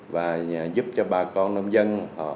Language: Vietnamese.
và giúp cho bà con nông dân